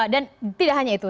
dan tidak hanya itu